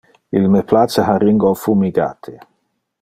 Il me place haringo fumigate.